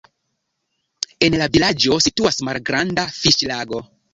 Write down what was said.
En la vilaĝo situas malgranda fiŝlago.